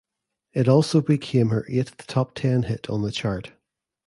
It also became her eighth top ten hit on the chart.